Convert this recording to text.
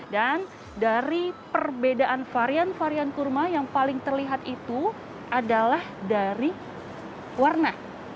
dan dari perbedaan varian varian kurma yang paling terlihat itu adalah dari warna